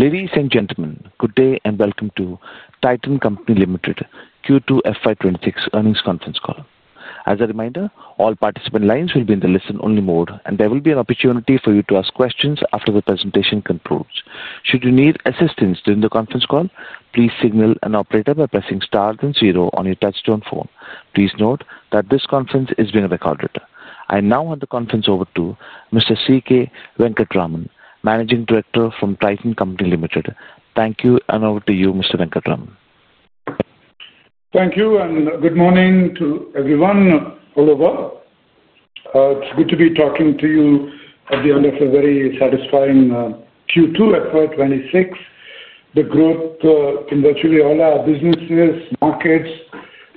Ladies and gentlemen, good day and welcome to Titan Company Limited Q2 FY 2026 earnings conference call. As a reminder, all participant lines will be in the listen-only mode, and there will be an opportunity for you to ask questions after the presentation concludes. Should you need assistance during the conference call, please signal an operator by pressing star then zero on your touch-tone phone. Please note that this conference is being recorded. I now hand the conference over to Mr. C. K. Venkataraman, Managing Director from Titan Company Limited. Thank you, and over to you, Mr. Venkataraman. Thank you, and good morning to everyone all over. It's good to be talking to you at the end of a very satisfying Q2 FY 2026. The growth in virtually all our businesses, markets,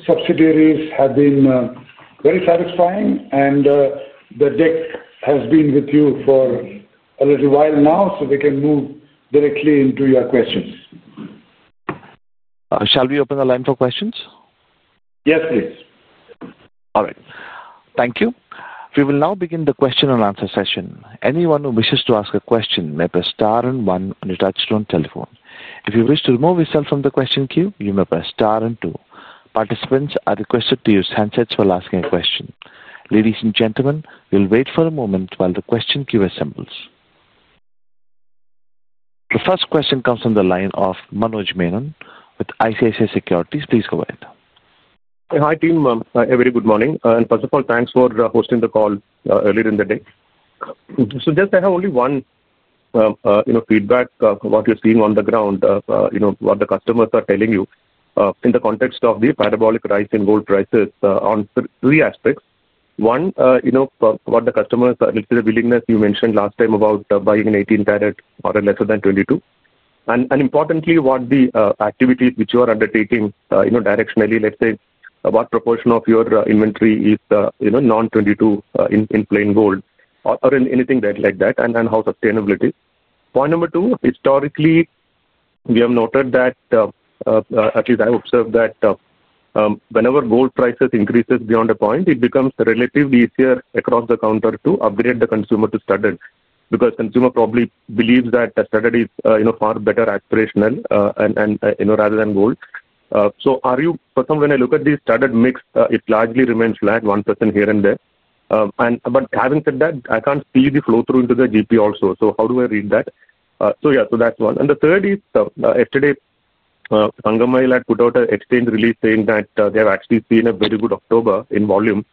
subsidiaries has been very satisfying, and the deck has been with you for a little while now, so we can move directly into your questions. Shall we open the line for questions? Yes, please. All right. Thank you. We will now begin the question-and-answer session. Anyone who wishes to ask a question may press star and one on your touch-tone telephone. If you wish to remove yourself from the question queue, you may press star and two. Participants are requested to use handsets while asking a question. Ladies and gentlemen, we'll wait for a moment while the question queue assembles. The first question comes from the line of Manoj Menon with ICICI Securities. Please go ahead. Hi, team. Every good morning. First of all, thanks for hosting the call earlier in the day. I have only one feedback of what you're seeing on the ground, what the customers are telling you in the context of the parabolic rise in gold prices on three aspects. One, what the customers are, a little bit of willingness you mentioned last time about buying an 18-karat or lesser than 22. Importantly, what the activities which you are undertaking directionally, let's say, what proportion of your inventory is non-22 in plain gold or anything like that, and how sustainable it is. Point number two, historically, we have noted that, at least I observed that, whenever gold prices increase beyond a point, it becomes relatively easier across the counter to upgrade the consumer to studded because consumer probably believes that studded is far better aspirational rather than gold. For some, when I look at the studded mix, it largely remains flat, 1% here and there. Having said that, I can't see the flow through into the GP also. How do I read that? That's one. The third is, yesterday, Sangammail had put out an exchange release saying that they have actually seen a very good October in volume.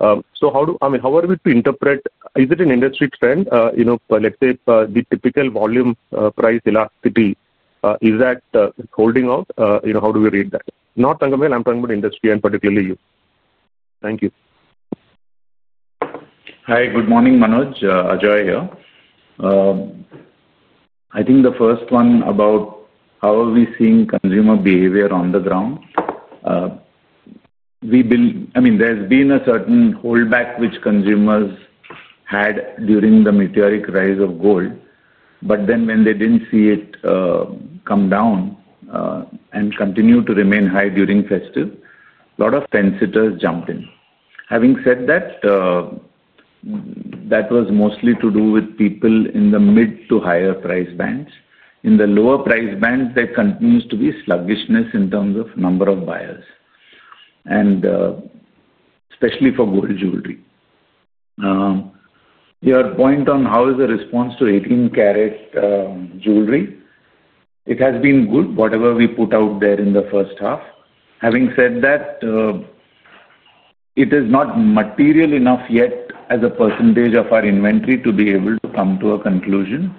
How are we to interpret? Is it an industry trend? Let's say the typical volume price elasticity, is that holding out? How do we read that? Not Sangammail, I'm talking about industry and particularly you. Thank you. Hi, good morning, Manoj. Ajoy here. I think the first one about how are we seeing consumer behavior on the ground. I mean, there's been a certain holdback which consumers had during the meteoric rise of gold. When they did not see it come down and it continued to remain high during festive, a lot of fence sitters jumped in. Having said that, that was mostly to do with people in the mid to higher price bands. In the lower price bands, there continues to be sluggishness in terms of number of buyers, and especially for gold jewelry. Your point on how is the response to 18-karat jewelry? It has been good, whatever we put out there in the first half. Having said that, it is not material enough yet as a percentage of our inventory to be able to come to a conclusion.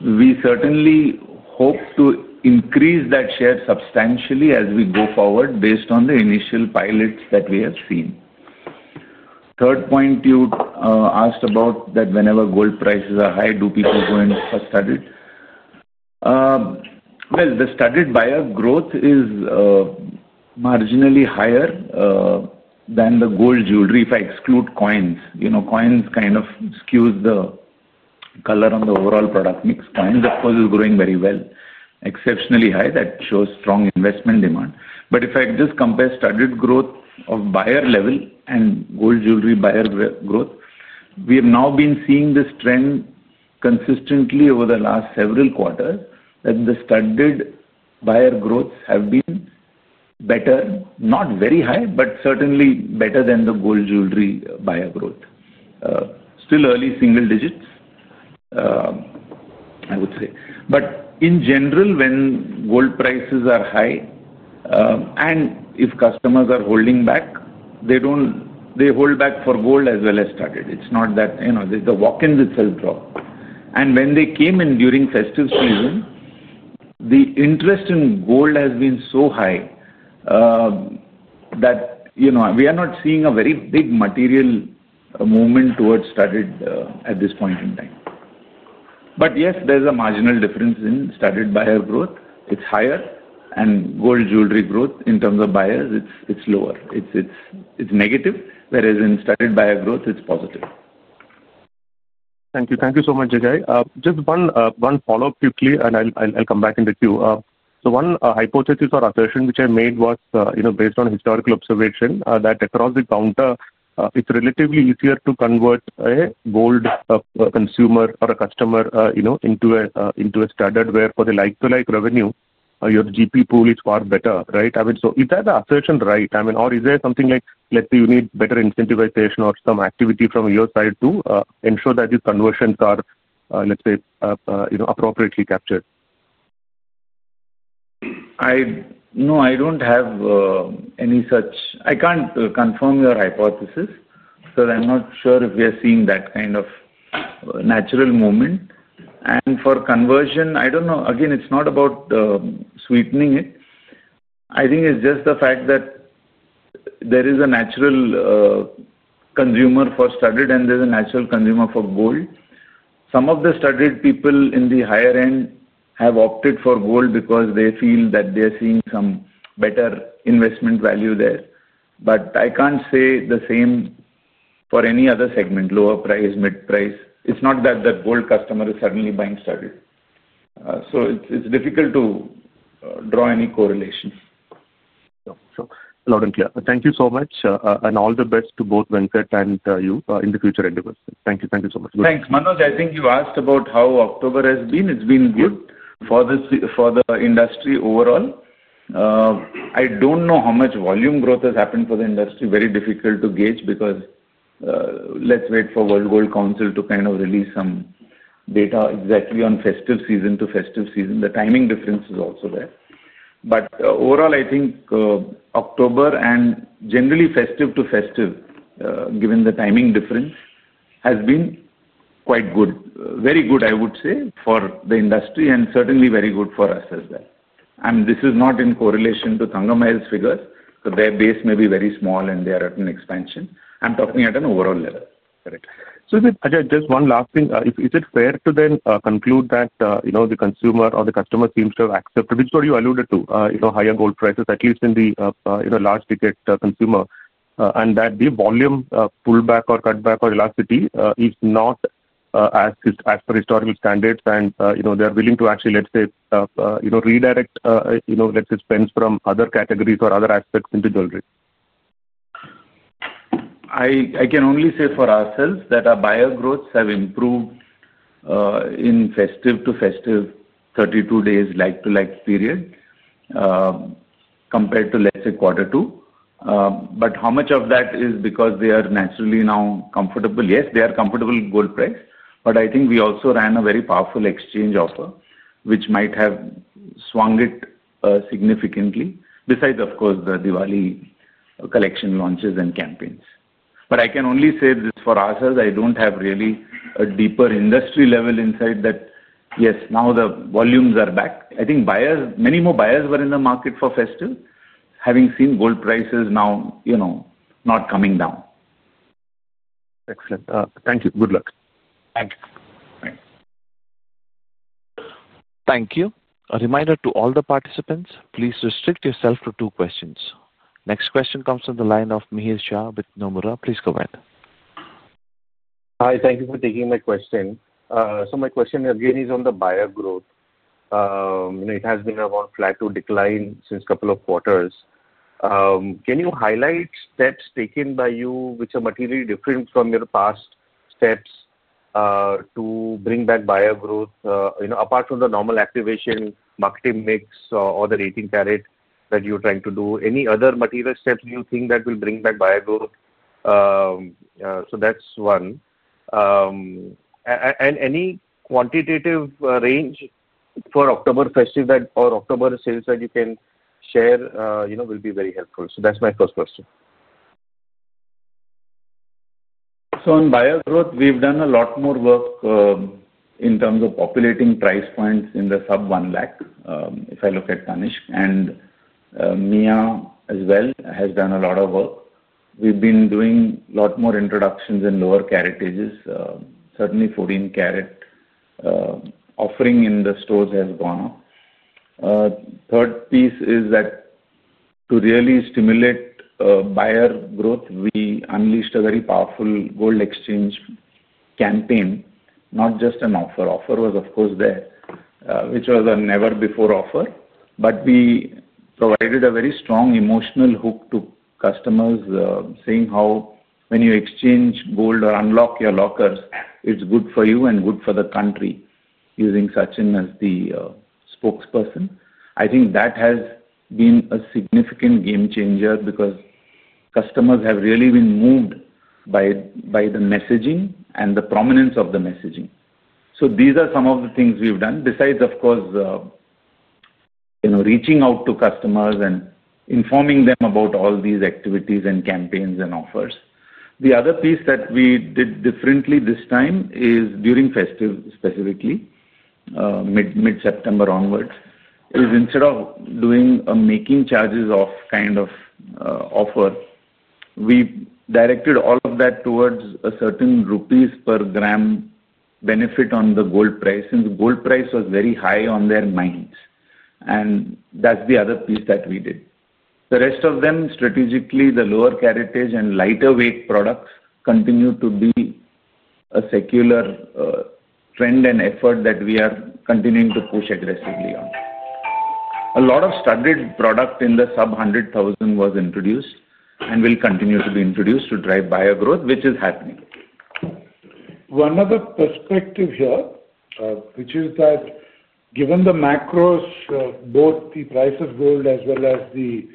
We certainly hope to increase that share substantially as we go forward based on the initial pilots that we have seen. Third point, you asked about that whenever gold prices are high, do people go and studded? The studded buyer growth is marginally higher than the gold jewelry if I exclude coins. Coins kind of skew the color on the overall product mix. Coins, of course, are growing very well. Exceptionally high, that shows strong investment demand. If I just compare studded growth of buyer level and gold jewelry buyer growth, we have now been seeing this trend consistently over the last several quarters that the studded buyer growths have been better, not very high, but certainly better than the gold jewelry buyer growth. Still early single digits, I would say. In general, when gold prices are high and if customers are holding back, they hold back for gold as well as studded. It is not that the walk-ins themselves drop. When they came in during festive season, the interest in gold has been so high that we are not seeing a very big material movement towards studded at this point in time. There is a marginal difference in studded buyer growth. It is higher, and gold jewelry growth in terms of buyers, it is lower. It is negative, whereas in studded buyer growth, it is positive. Thank you. Thank you so much, Ajoy. Just one follow-up quickly, and I'll come back in the queue. One hypothesis or assertion which I made was based on historical observation that across the counter, it's relatively easier to convert a gold consumer or a customer into a studded, where for the like-to-like revenue, your GP pool is far better, right? I mean, is that assertion right? I mean, or is there something like, let's say, you need better incentivization or some activity from your side to ensure that these conversions are, let's say, appropriately captured? No, I don't have any such. I can't confirm your hypothesis. I'm not sure if we are seeing that kind of natural movement. For conversion, I don't know. Again, it's not about sweetening it. I think it's just the fact that there is a natural consumer for studded and there's a natural consumer for gold. Some of the studded people in the higher end have opted for gold because they feel that they are seeing some better investment value there. I can't say the same for any other segment, lower price, mid-price. It's not that the gold customer is suddenly buying studded. It's difficult to draw any correlation. Sure. Sure. Loud and clear. Thank you so much. All the best to both Venkat and you in the future endeavors. Thank you. Thank you so much. Thanks. Manoj, I think you asked about how October has been. It's been good for the industry overall. I don't know how much volume growth has happened for the industry. Very difficult to gauge because. Let's wait for World Gold Council to kind of release some data exactly on festive season to festive season. The timing difference is also there. Overall, I think October and generally festive to festive, given the timing difference, has been quite good. Very good, I would say, for the industry and certainly very good for us as well. This is not in correlation to Sangammail's figures, because their base may be very small and they are at an expansion. I'm talking at an overall level. Ajoy, just one last thing. Is it fair to then conclude that the consumer or the customer seems to have accepted, which you alluded to, higher gold prices, at least in the large-ticket consumer, and that the volume pullback or cutback or elasticity is not as per historical standards and they are willing to actually, let's say, redirect, let's say, spends from other categories or other aspects into jewelry? I can only say for ourselves that our buyer growths have improved. In festive to festive 32 days like-to-like period. Compared to, let's say, quarter two. How much of that is because they are naturally now comfortable? Yes, they are comfortable with gold price. I think we also ran a very powerful exchange offer, which might have swung it significantly, besides, of course, the Diwali collection launches and campaigns. I can only say this for ourselves. I do not have really a deeper industry level insight that, yes, now the volumes are back. I think many more buyers were in the market for festive, having seen gold prices now. Not coming down. Excellent. Thank you. Good luck. Thanks. Thank you. A reminder to all the participants, please restrict yourself to two questions. Next question comes from the line of Mihir Shah with Nomura. Please go ahead. Hi, thank you for taking my question. My question again is on the buyer growth. It has been around flat to decline since a couple of quarters. Can you highlight steps taken by you which are materially different from your past steps to bring back buyer growth? Apart from the normal activation, marketing mix, or the 18-karat that you're trying to do, any other material steps you think that will bring back buyer growth? That is one. Any quantitative range for October festive or October sales that you can share will be very helpful. That is my first question. On buyer growth, we've done a lot more work. In terms of populating price points in the sub-INR 100,000 lakh, if I look at Tanishq. Mia as well has done a lot of work. We've been doing a lot more introductions in lower caratages, certainly 14-karat. Offering in the stores has gone up. Third piece is that, to really stimulate buyer growth, we unleashed a very powerful gold exchange campaign, not just an offer. Offer was, of course, there, which was a never-before offer. We provided a very strong emotional hook to customers, saying how when you exchange gold or unlock your lockers, it's good for you and good for the country, using Sachin as the spokesperson. I think that has been a significant game changer because customers have really been moved by the messaging and the prominence of the messaging. These are some of the things we've done, besides, of course, reaching out to customers and informing them about all these activities and campaigns and offers. The other piece that we did differently this time is during festive specifically. Mid-September onwards, instead of doing a making charges off kind of offer, we directed all of that towards a certain rupees per gram benefit on the gold price since gold price was very high on their minds. That's the other piece that we did. The rest of them, strategically, the lower caratage and lighter weight products continue to be a secular trend and effort that we are continuing to push aggressively on. A lot of studded product in the sub-INR 100,000 was introduced and will continue to be introduced to drive buyer growth, which is happening. One other perspective here, which is that given the macros, both the price of gold as well as the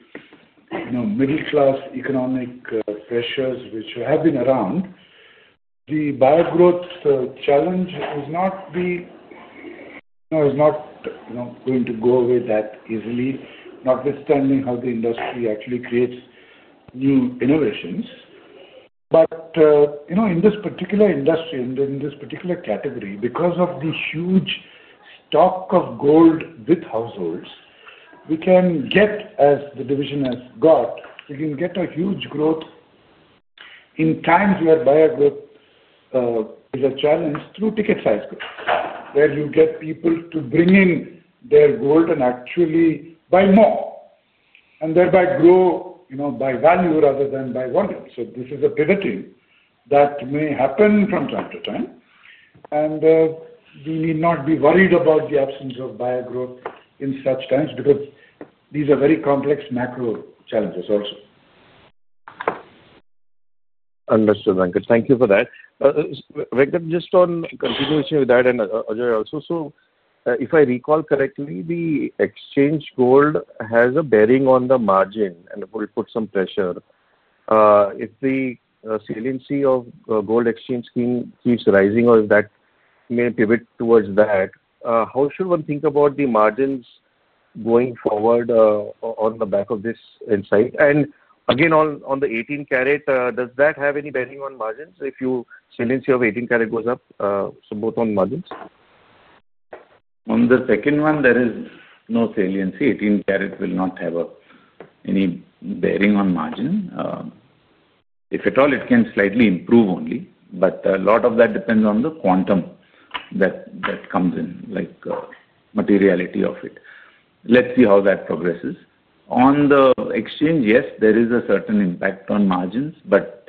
middle-class economic pressures which have been around. The buyer growth challenge is not going to go away that easily, notwithstanding how the industry actually creates new innovations. In this particular industry and in this particular category, because of the huge stock of gold with households, we can get, as the division has got, we can get a huge growth in times where buyer growth is a challenge through ticket-sized growth, where you get people to bring in their gold and actually buy more and thereby grow by value rather than by volume. This is a pivoting that may happen from time to time. We need not be worried about the absence of buyer growth in such times because these are very complex macro challenges also. Understood, Venkat. Thank you for that. Venkat, just on continuation with that and Ajoy also, so if I recall correctly, the exchange gold has a bearing on the margin and will put some pressure. If the saliency of the gold exchange scheme keeps rising or if that may pivot towards that, how should one think about the margins going forward? On the back of this insight? Again, on the 18-karat, does that have any bearing on margins if your saliency of 18-karat goes up, so both on margins? On the second one, there is no saliency. 18-karat will not have any bearing on margin. If at all, it can slightly improve only. A lot of that depends on the quantum that comes in, like materiality of it. Let's see how that progresses. On the exchange, yes, there is a certain impact on margins, but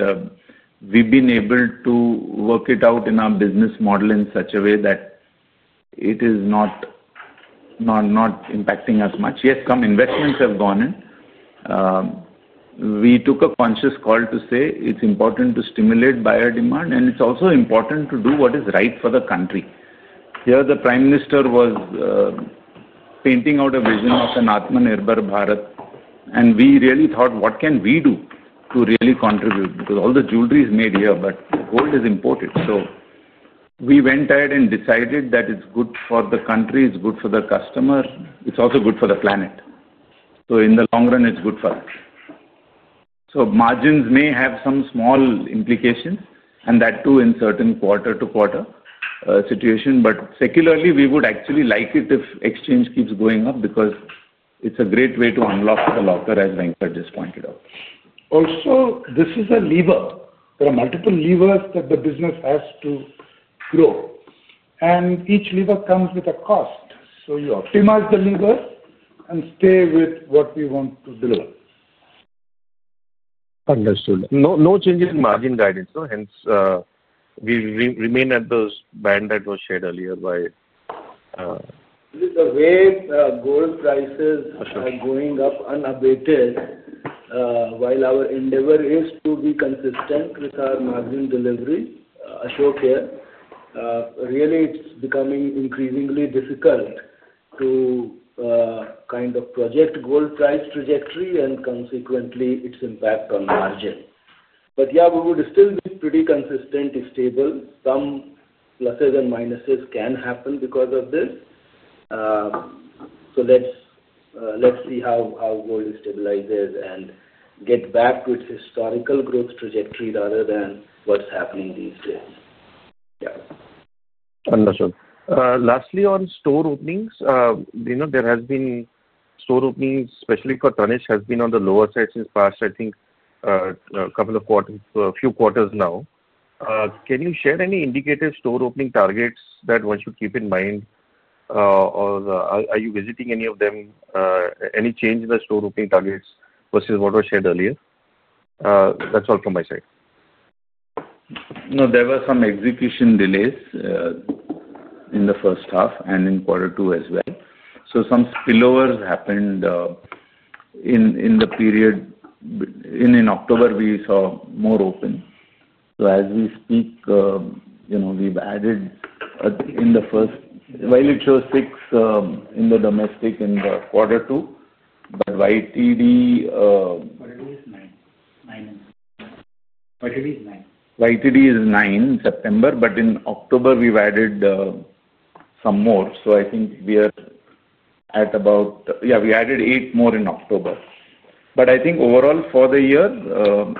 we have been able to work it out in our business model in such a way that it is not impacting us much. Yes, some investments have gone in. We took a conscious call to say it's important to stimulate buyer demand, and it's also important to do what is right for the country. Here, the Prime Minister was pointing out a vision of an Atmanirbhar Bharat, and we really thought, what can we do to really contribute? Because all the jewellery is made here, but gold is imported. We went ahead and decided that it's good for the country, it's good for the customer, it's also good for the planet. In the long run, it's good for us. Margins may have some small implications, and that too in certain quarter-to-quarter situation. Secularly, we would actually like it if exchange keeps going up because it's a great way to unlock the locker, as Venkat just pointed out. Also, this is a lever. There are multiple levers that the business has to grow. Each lever comes with a cost. You optimize the lever and stay with what we want to deliver. Understood. No change in margin guidance, hence. We remain at the band that was shared earlier. The way gold prices are going up unabated. While our endeavor is to be consistent with our margin delivery, Ashok here. Really, it's becoming increasingly difficult to kind of project gold price trajectory and consequently its impact on margin. Yeah, we would still be pretty consistent if stable. Some pluses and minuses can happen because of this. Let's see how gold stabilizes and get back to its historical growth trajectory rather than what's happening these days. Yeah. Understood. Lastly, on store openings, there has been store openings, especially for Tanishq, has been on the lower side since past, I think, a couple of quarters, a few quarters now. Can you share any indicative store opening targets that one should keep in mind? Or are you revisiting any of them? Any change in the store opening targets versus what was shared earlier? That's all from my side. No, there were some execution delays in the first half and in quarter two as well. Some spillovers happened in the period. In October, we saw more open. As we speak, we've added. In the first, while it shows six in the domestic in quarter two, but YTD. YTD is nine. YTD is nine. YTD is nine in September, but in October, we've added some more. I think we are at about, yeah, we added eight more in October. I think overall for the year,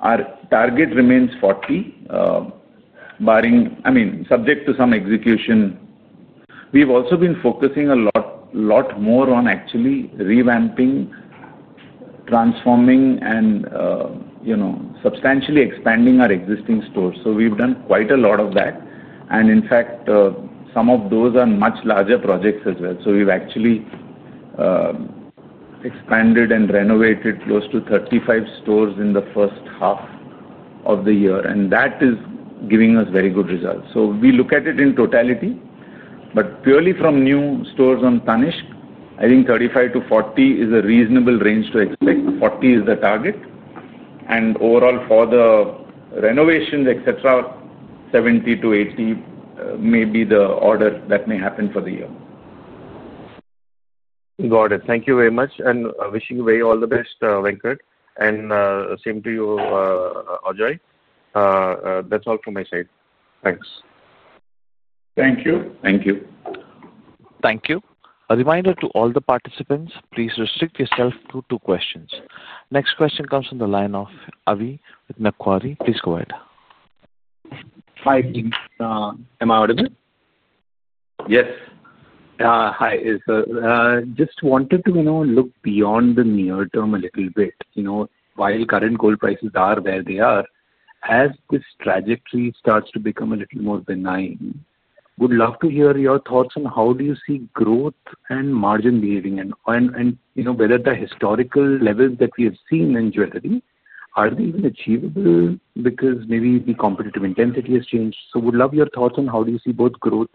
our target remains 40, I mean, subject to some execution. We've also been focusing a lot more on actually revamping, transforming, and substantially expanding our existing stores. We've done quite a lot of that. In fact, some of those are much larger projects as well. We've actually expanded and renovated close to 35 stores in the first half of the year, and that is giving us very good results. We look at it in totality. Purely from new stores on Tanishq, I think 35-40 is a reasonable range to expect. 40 is the target. Overall, for the renovations, etc., 70-80 may be the order that may happen for the year. Got it. Thank you very much. Wishing you all the best, Venkat. Same to you, Ajoy. That's all from my side. Thanks. Thank you. Thank you. Thank you. A reminder to all the participants, please restrict yourself to two questions. Next question comes from the line of Avi Nakhwari. Please go ahead. Hi. Am I audible? Yes. Hi. Just wanted to look beyond the near term a little bit. While current gold prices are where they are, as this trajectory starts to become a little more benign, would love to hear your thoughts on how do you see growth and margin behaving and whether the historical levels that we have seen in jewelry, are they even achievable because maybe the competitive intensity has changed? Would love your thoughts on how do you see both growth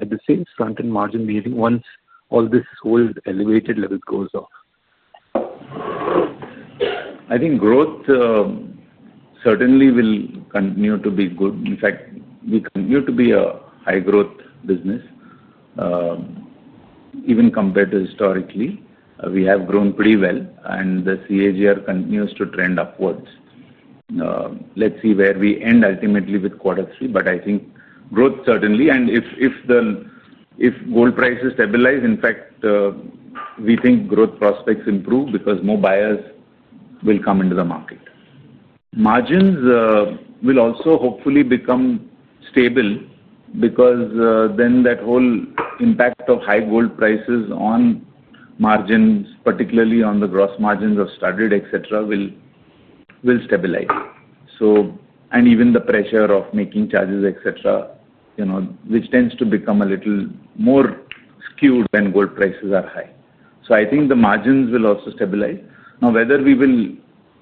at the same front and margin behaving once all this old elevated levels goes off? I think growth certainly will continue to be good. In fact, we continue to be a high-growth business. Even compared to historically, we have grown pretty well, and the CAGR continues to trend upwards. Let's see where we end ultimately with quarter three, but I think growth certainly, and if gold prices stabilize, in fact, we think growth prospects improve because more buyers will come into the market. Margins will also hopefully become stable because then that whole impact of high gold prices on margins, particularly on the gross margins of studded, etc., will stabilize. And even the pressure of making charges, etc., which tends to become a little more skewed when gold prices are high. I think the margins will also stabilize. Now, whether we will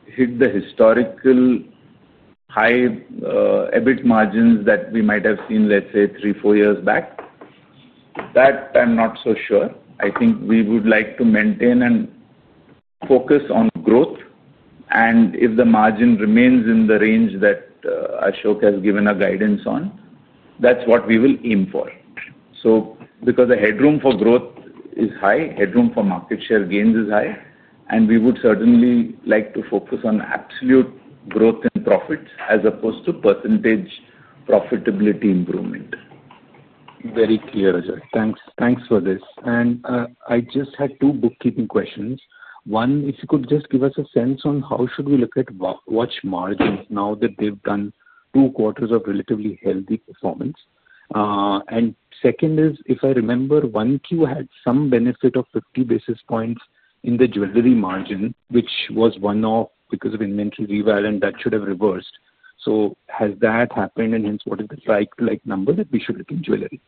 hit the historical high EBIT margins that we might have seen, let's say, three, four years back, that I'm not so sure. I think we would like to maintain and focus on growth. If the margin remains in the range that Ashok has given a guidance on, that's what we will aim for. Because the headroom for growth is high, headroom for market share gains is high, and we would certainly like to focus on absolute growth and profits as opposed to percentage profitability improvement. Very clear, Ajoy. Thanks for this. I just had two bookkeeping questions. One, if you could just give us a sense on how should we look at watch margins now that they've done two quarters of relatively healthy performance. Second is, if I remember, Q1 had some benefit of 50 basis points in the jewelry margin, which was one-off because of inventory reval, and that should have reversed. Has that happened, and hence, what is the right number that we should look in jewelry?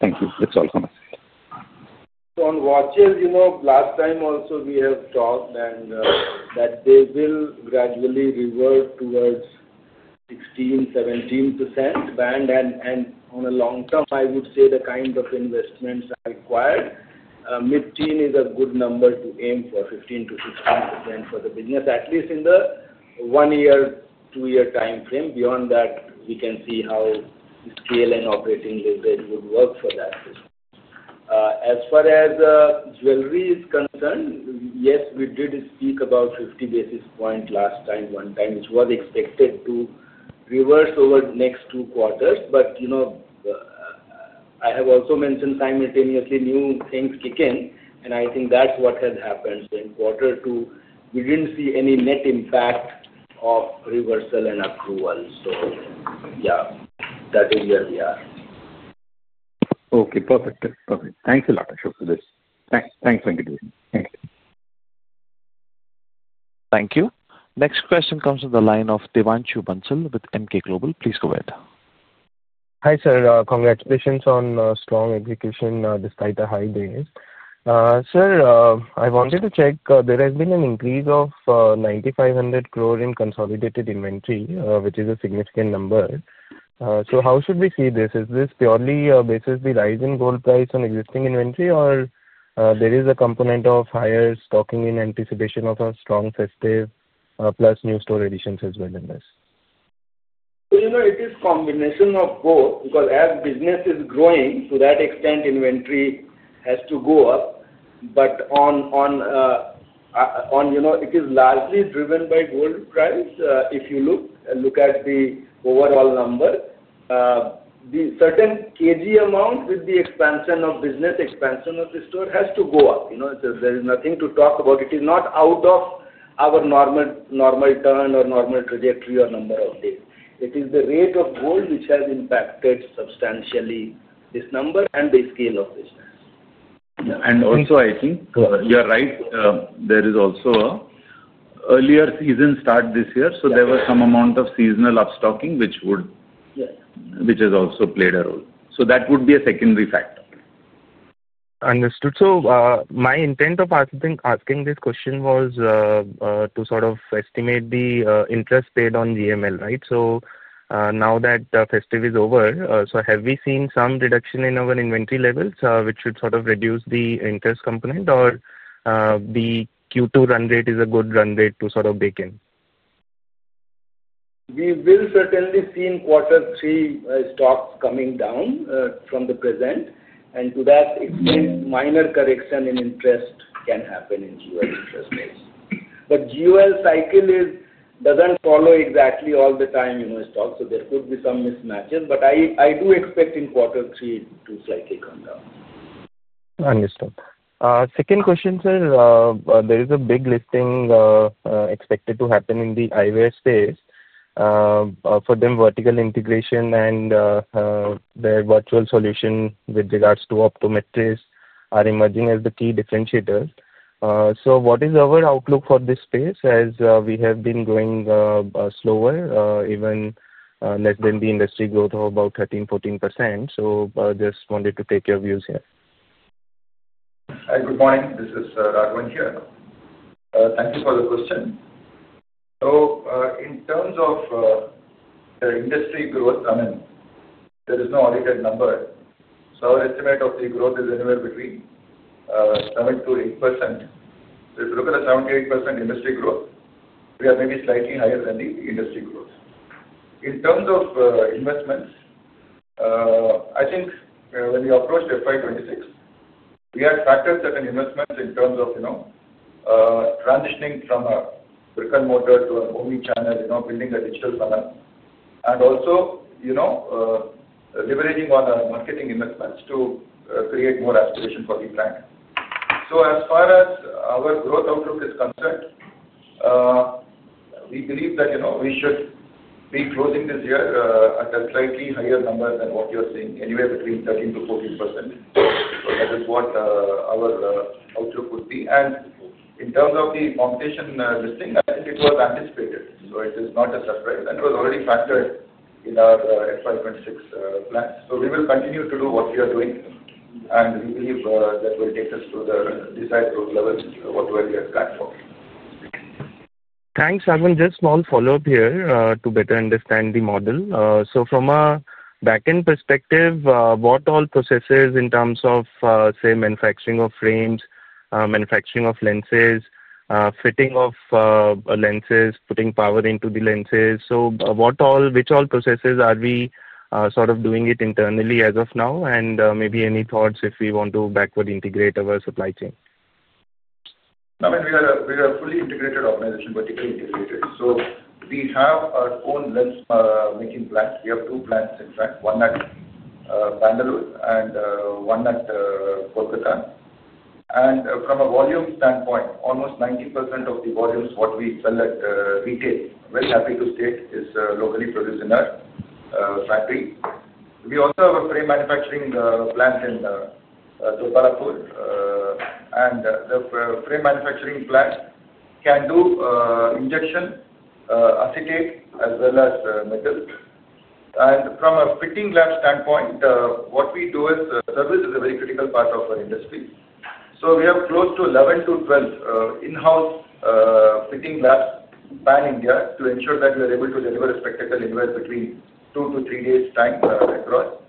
Thank you. That's all from us. On watches, last time also we have talked that they will gradually revert towards 16%, 17% band. In the long term, I would say the kind of investments are required. Mid-teen is a good number to aim for, 15%, 16% for the business, at least in the one-year, two-year time frame. Beyond that, we can see how scale and operating leverage would work for that. As far as jewelry is concerned, yes, we did speak about 50 basis points last time, one time, which was expected to reverse over the next two quarters. I have also mentioned simultaneously new things kick in, and I think that is what has happened. In quarter two, we did not see any net impact of reversal and approval. That is where we are. Okay. Perfect. Perfect. Thanks a lot, Ashok, for this. Thanks, everbody. Thank you. Thank you. Next question comes from the line of Devanshu Bansal with Emkay Global. Please go ahead. Hi, sir. Congratulations on strong execution despite the high days. Sir, I wanted to check. There has been an increase of 9,500 crore in consolidated inventory, which is a significant number. How should we see this? Is this purely basically the rise in gold price on existing inventory, or is there a component of higher stocking in anticipation of a strong festive plus new store additions as well in this? It is a combination of both because as business is growing, to that extent, inventory has to go up. It is largely driven by gold price. If you look at the overall number, the certain kg amount with the expansion of business, expansion of the store has to go up. There is nothing to talk about. It is not out of our normal turn or normal trajectory or number of days. It is the rate of gold which has impacted substantially this number and the scale of business. I think you're right. There is also an earlier season start this year, so there was some amount of seasonal upstocking, which has also played a role. That would be a secondary factor. Understood. My intent of asking this question was to sort of estimate the interest paid on GML, right? Now that the festive is over, have we seen some reduction in our inventory levels, which should sort of reduce the interest component, or is the Q2 run rate a good run rate to sort of bake in? We will certainly see in quarter three stocks coming down from the present. To that extent, minor correction in interest can happen in gold interest rates. GOL cycle does not follow exactly all the time in stocks, so there could be some mismatches. I do expect in quarter three to slightly come down. Understood. Second question, sir. There is a big listing expected to happen in the IVR space. For them, vertical integration and their virtual solution with regards to optometrists are emerging as the key differentiators. What is our outlook for this space as we have been going slower, even less than the industry growth of about 13%, 14%? Just wanted to take your views here. Hi, good morning. This is Raghavan here. Thank you for the question. In terms of the industry growth, I mean, there is no audited number. Our estimate of the growth is anywhere between 7%, 8%. If you look at the 7%-8% industry growth, we are maybe slightly higher than the industry growth. In terms of investments, I think when we approach FY 2026, we had factors that can investments in terms of transitioning from a brick-and-mortar to a homey channel, building a digital funnel, and also leveraging on our marketing investments to create more aspiration for the brand. As far as our growth outlook is concerned, we believe that we should be closing this year at a slightly higher number than what you are seeing, anywhere between 13%-14%. That is what our outlook would be. In terms of the competition listing, I think it was anticipated. It is not a surprise, and it was already factored in our FY 2026 plan. We will continue to do what we are doing, and we believe that will take us to the desired growth levels, whatever we have planned for. Thanks. I have just a small follow-up here to better understand the model. From a back-end perspective, what all processes in terms of, say, manufacturing of frames, manufacturing of lenses, fitting of lenses, putting power into the lenses? Which all processes are we sort of doing internally as of now? Any thoughts if we want to backward integrate our supply chain? I mean, we are a fully integrated organization, vertically integrated. We have our own lens making plant. We have two plants, in fact, one at Bengaluru and one at Kolkata. From a volume standpoint, almost 90% of the volumes we sell at retail, very happy to state, is locally produced in our factory. We also have a frame manufacturing plant in Tarapur. The frame manufacturing plant can do injection, acetate as well as metal. From a fitting lab standpoint, what we do is service is a very critical part of our industry. We have close to 11-12 in-house fitting labs pan-India to ensure that we are able to deliver a spectacle anywhere between two to three days' time across.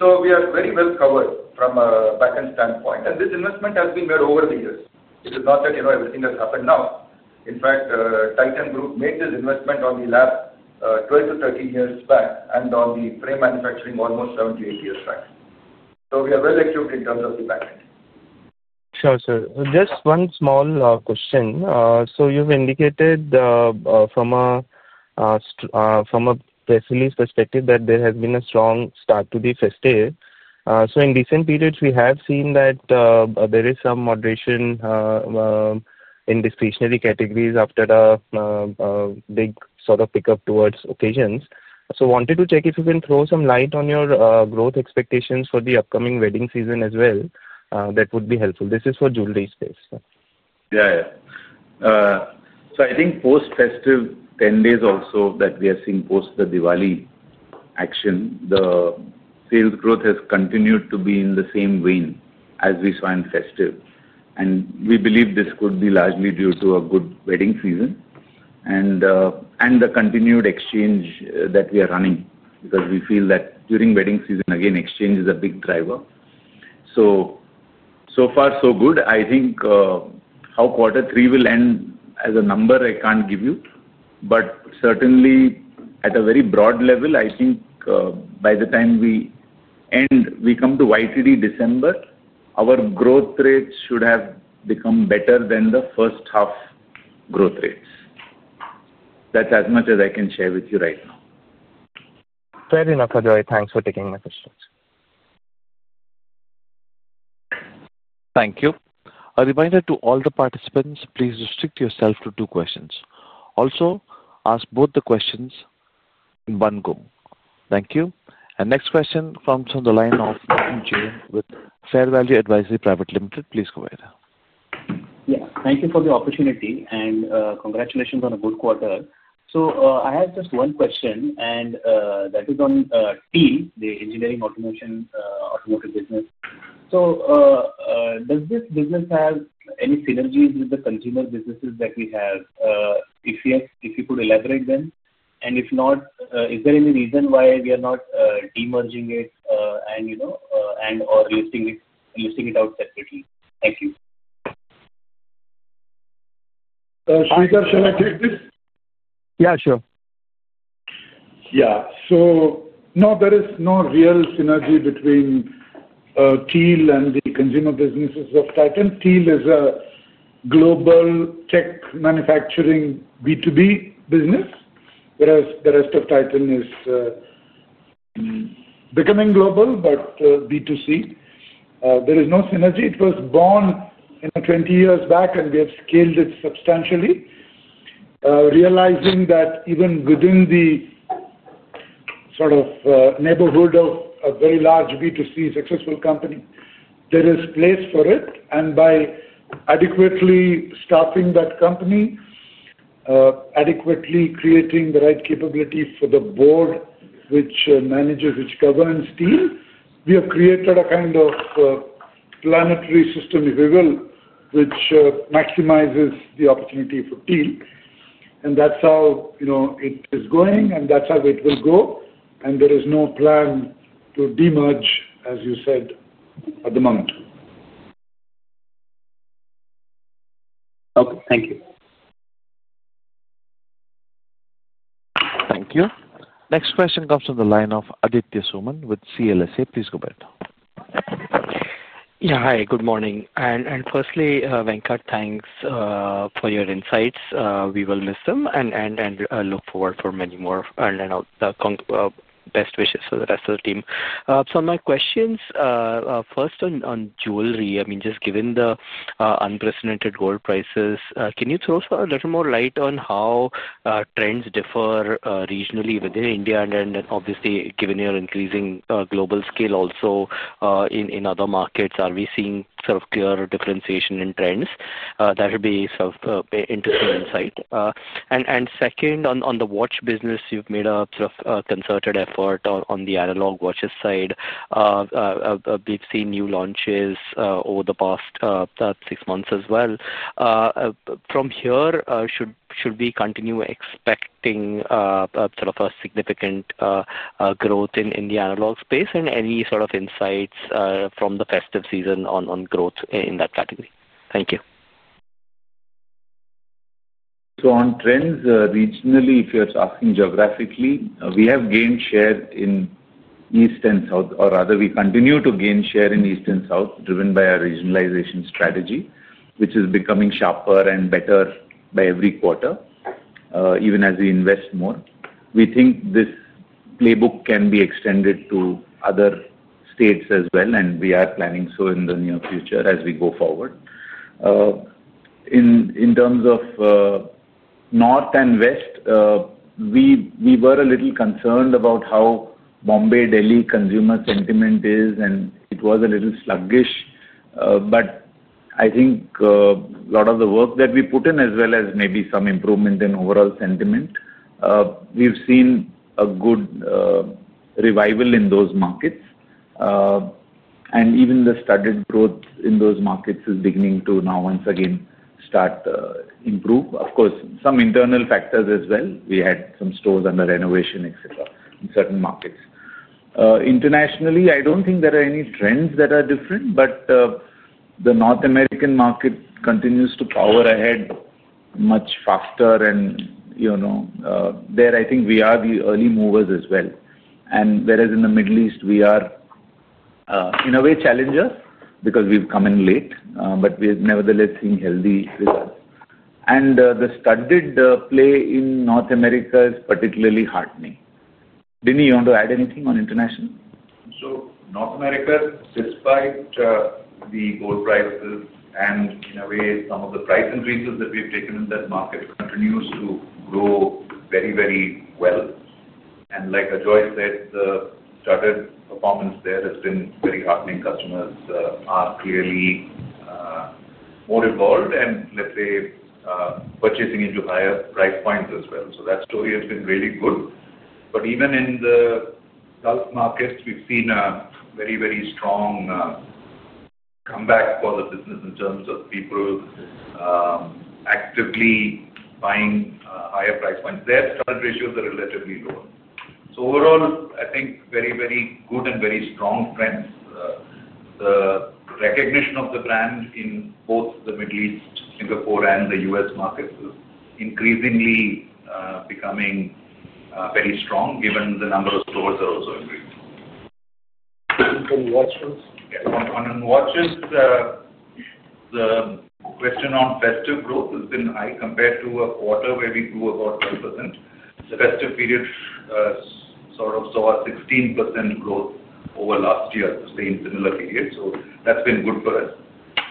We are very well covered from a back-end standpoint. This investment has been made over the years. It is not that everything has happened now. In fact, Titan Group made this investment on the lab 12-13 years back and on the frame manufacturing almost seven to eight years back. We are well equipped in terms of the back-end. Sure, sir. Just one small question. You have indicated from a presales perspective that there has been a strong start to the festive. In recent periods, we have seen that there is some moderation in discretionary categories after a big sort of pickup towards occasions. I wanted to check if you can throw some light on your growth expectations for the upcoming wedding season as well. That would be helpful. This is for jewelry space. Yeah, yeah. I think post-festive 10 days also that we are seeing post the Diwali action, the sales growth has continued to be in the same vein as we saw in festive. We believe this could be largely due to a good wedding season and the continued exchange that we are running because we feel that during wedding season, again, exchange is a big driver. So far, so good. I think how quarter three will end as a number, I can't give you. Certainly, at a very broad level, I think by the time we end, we come to YTD December, our growth rates should have become better than the first half growth rates. That's as much as I can share with you right now. Fair enough, Ajoy. Thanks for taking my questions. Thank you. A reminder to all the participants, please restrict yourself to two questions. Also, ask both the questions in one go. Thank you. The next question comes from the line of with Fair Value Advisory Private Limited. Please go ahead. Yes. Thank you for the opportunity and congratulations on a good quarter. I have just one question, and that is on TEAL, the engineering automation automotive business. Does this business have any synergies with the consumer businesses that we have? If you could elaborate them. If not, is there any reason why we are not demerging it or listing it out separately? Thank you. Ajoy, shall I take this? Yeah, sure. Yeah. No, there is no real synergy between TEAL and the consumer businesses of Titan. TEAL is a global tech manufacturing B2B business. Whereas the rest of Titan is becoming global, but B2C. There is no synergy. It was born 20 years back, and we have scaled it substantially, realizing that even within the sort of neighborhood of a very large B2C successful company, there is place for it. By adequately staffing that company, adequately creating the right capability for the board which manages, which governs TEAL, we have created a kind of planetary system, if you will, which maximizes the opportunity for TEAL. That is how it is going, and that is how it will go. There is no plan to demerge, as you said, at the moment. Okay. Thank you. Thank you. Next question comes from the line of Aditya Soman with CLSA. Please go ahead. Yeah. Hi, good morning. Firstly, Venkat, thanks for your insights. We will miss them and look forward for many more. Best wishes for the rest of the team. Some of my questions, first on jewelry, I mean, just given the unprecedented gold prices, can you throw a little more light on how trends differ regionally within India? Obviously, given your increasing global scale also, in other markets, are we seeing sort of clear differentiation in trends? That would be sort of interesting insight. Second, on the watch business, you've made a sort of concerted effort on the analog watches side. We've seen new launches over the past six months as well. From here, should we continue expecting sort of a significant growth in the analog space? Any sort of insights from the festive season on growth in that category? Thank you. On trends regionally, if you're asking geographically, we have gained share in East and South, or rather, we continue to gain share in East and South, driven by our regionalization strategy, which is becoming sharper and better by every quarter, even as we invest more. We think this playbook can be extended to other states as well, and we are planning so in the near future as we go forward. In terms of North and West, we were a little concerned about how Mumbai-Delhi consumer sentiment is, and it was a little sluggish. I think a lot of the work that we put in, as well as maybe some improvement in overall sentiment, we've seen a good revival in those markets. Even the started growth in those markets is beginning to now, once again, start to improve. Of course, some internal factors as well. We had some stores under renovation, etc., in certain markets. Internationally, I don't think there are any trends that are different, but the North American market continues to power ahead much faster. There, I think we are the early movers as well, whereas in the Middle East, we are, in a way, challengers because we've come in late, but we're nevertheless seeing healthy results. The started play in North America is particularly heartening. Dimi, you want to add anything on international? North America, despite the gold prices and in a way, some of the price increases that we've taken in that market, continues to grow very, very well. Like Ajoy said, the started performance there has been very heartening. Customers are clearly more involved and, let's say, purchasing into higher price points as well. That story has been really good. Even in the Gulf markets, we've seen a very, very strong comeback for the business in terms of people actively buying higher price points. Their started ratios are relatively lower. Overall, I think very, very good and very strong trends. The recognition of the brand in both the Middle East, Singapore, and the U.S. markets is increasingly becoming very strong, given the number of stores that are also increasing. On watches? On watches. The question on festive growth has been high compared to a quarter where we grew about 10%. The festive period sort of saw a 16% growth over last year, the same similar period. That has been good for us.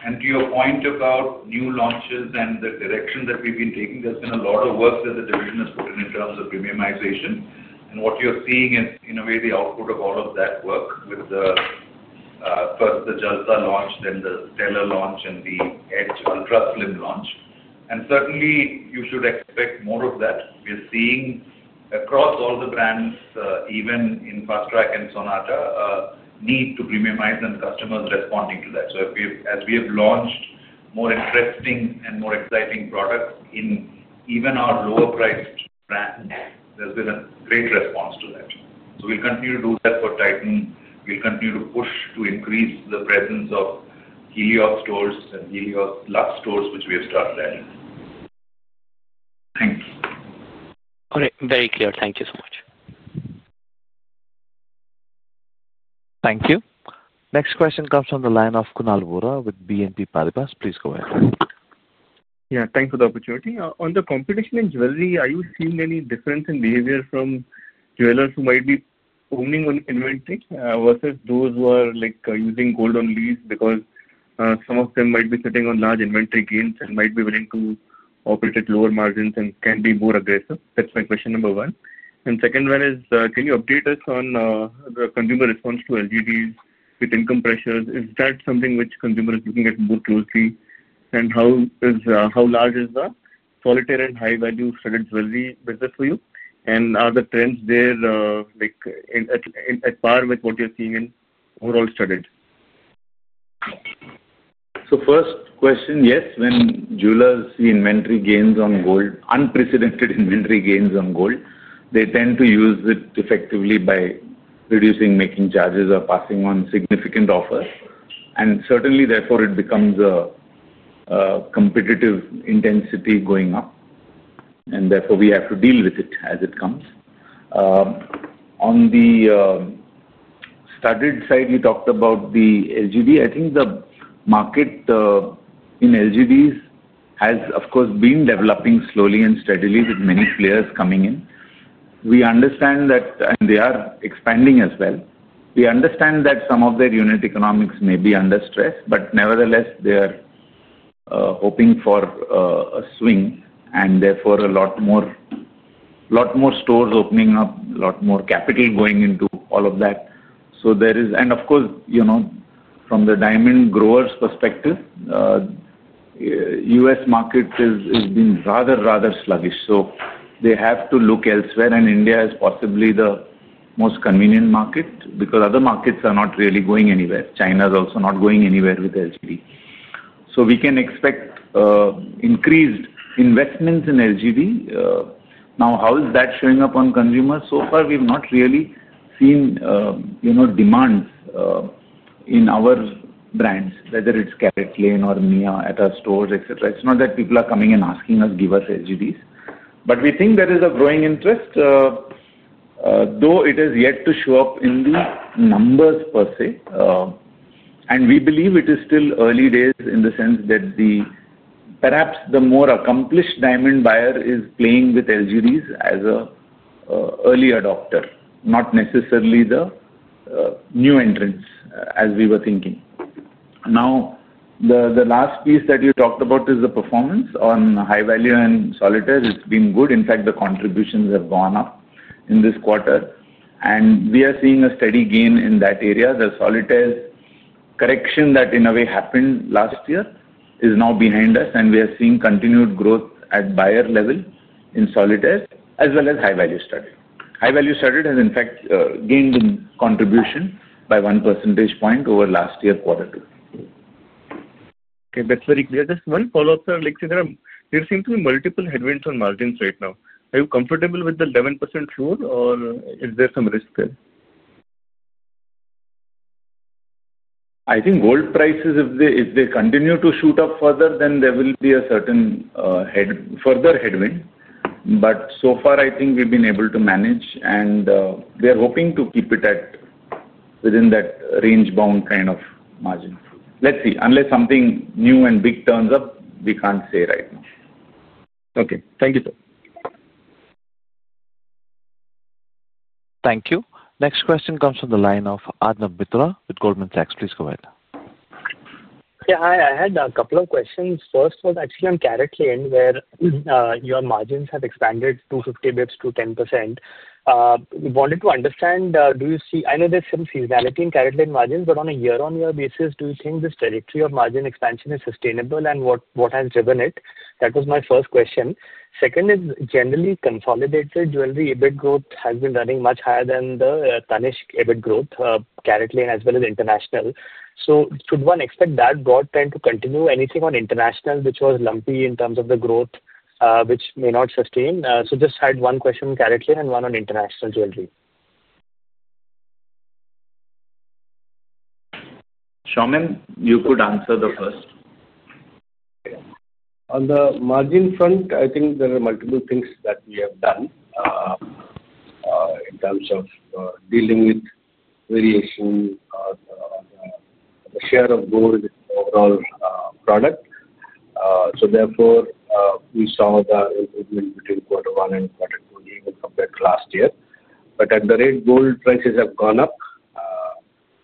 To your point about new launches and the direction that we have been taking, there has been a lot of work that the division has put in terms of premiumization. What you are seeing is, in a way, the output of all of that work with first the Jalta launch, then the Stella launch, and the Edge Ultra Slim launch. Certainly, you should expect more of that. We are seeing across all the brands, even in Fastrack and Sonata, a need to premiumize and customers responding to that. As we have launched more interesting and more exciting products in even our lower-priced brands, there has been a great response to that. We will continue to do that for Titan. We will continue to push to increase the presence of Helios stores and Helios Luxe stores, which we have started adding. Thanks. All right. Very clear. Thank you so much. Thank you. Next question comes from the line of Kunal Vora with BNP Paribas. Please go ahead. Yeah. Thanks for the opportunity. On the competition in jewelry, are you seeing any difference in behavior from jewelers who might be owning an inventory versus those who are using gold only because some of them might be sitting on large inventory gains and might be willing to operate at lower margins and can be more aggressive? That is my question number one. Second one is, can you update us on the consumer response to LGDs with income pressures? Is that something which consumers are looking at more closely? How large is the solitaire and high-value studded jewelry business for you? Are the trends there at par with what you are seeing in overall studded? First question, yes. When jewelers see inventory gains on gold, unprecedented inventory gains on gold, they tend to use it effectively by reducing making charges or passing on significant offers. Certainly, therefore, it becomes a competitive intensity going up. Therefore, we have to deal with it as it comes. On the studded side, we talked about the LGD. I think the market in LGDs has, of course, been developing slowly and steadily with many players coming in. We understand that, and they are expanding as well. We understand that some of their unit economics may be under stress, but nevertheless, they are hoping for a swing and therefore a lot more stores opening up, a lot more capital going into all of that. Of course, from the diamond grower's perspective, the U.S. market has been rather, rather sluggish. They have to look elsewhere. India is possibly the most convenient market because other markets are not really going anywhere. China is also not going anywhere with LGD. We can expect increased investments in LGD. Now, how is that showing up on consumers? So far, we've not really seen demands in our brands, whether it's CaratLane or Mia at our stores, etc. It's not that people are coming and asking us, "Give us LGDs." We think there is a growing interest, though it has yet to show up in the numbers per se. We believe it is still early days in the sense that perhaps the more accomplished diamond buyer is playing with LGDs as an early adopter, not necessarily the new entrants as we were thinking. Now, the last piece that you talked about is the performance on high-value and solitaire. It's been good. In fact, the contributions have gone up in this quarter. We are seeing a steady gain in that area. The solitaire correction that, in a way, happened last year is now behind us. We are seeing continued growth at buyer level in solitaire as well as high-value studded. High-value studded has, in fact, gained in contribution by 1 percentage point over last year's quarter too. Okay. That's very clear. Just one follow-up, sir. There seem to be multiple headwinds on margins right now. Are you comfortable with the 11% floor, or is there some risk there? I think gold prices, if they continue to shoot up further, then there will be a certain further headwind. So far, I think we've been able to manage, and we are hoping to keep it within that range-bound kind of margin. Let's see. Unless something new and big turns up, we can't say right now. Okay. Thank you, sir. Thank you. Next question comes from the line of Arnab Mitra with Goldman Sachs. Please go ahead. Yeah. Hi. I had a couple of questions. First was actually on CaratLane, where your margins have expanded 250 basis points to 10%. We wanted to understand, do you see—I know there's some seasonality in CaratLane margins, but on a year-on-year basis, do you think this territory of margin expansion is sustainable, and what has driven it? That was my first question. Second is, generally, consolidated jewelry EBIT growth has been running much higher than the Tanishq EBIT growth, CaratLane as well as international. Should one expect that broad trend to continue? Anything on international, which was lumpy in terms of the growth, which may not sustain? I just had one question on CaratLane and one on international jewelry. Saumen, you could answer the first. On the margin front, I think there are multiple things that we have done. In terms of dealing with variation. The share of gold in the overall product. Therefore, we saw the improvement between quarter one and quarter two even compared to last year. At the rate gold prices have gone up,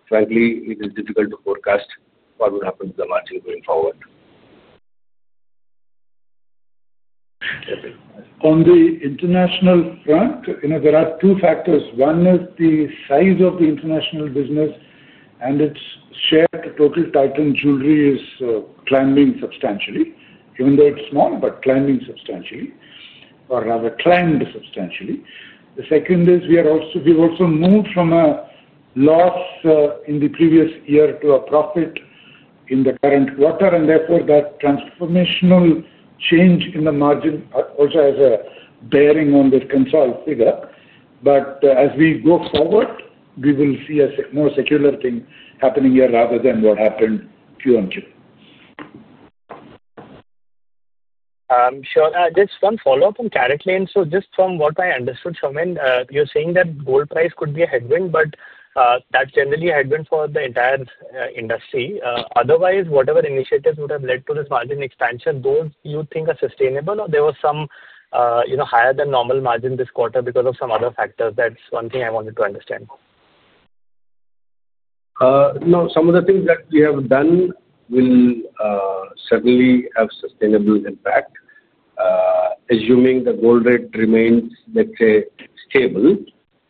frankly, it is difficult to forecast what will happen to the margin going forward. On the international front, there are two factors. One is the size of the international business, and its share to total Titan jewelry is climbing substantially, even though it's small, but climbing substantially, or rather climbed substantially. The second is we've also moved from a loss in the previous year to a profit in the current quarter. Therefore, that transformational change in the margin also has a bearing on the consolidated figure. As we go forward, we will see a more secular thing happening here rather than what happened QoQ. Sure. Just one follow-up on CaratLane. Just from what I understood, Saumen, you're saying that gold price could be a headwind, but that's generally a headwind for the entire industry. Otherwise, whatever initiatives would have led to this margin expansion, those you think are sustainable, or there was some higher-than-normal margin this quarter because of some other factors? That's one thing I wanted to understand. No. Some of the things that we have done will certainly have sustainable impact. Assuming the gold rate remains, let's say, stable,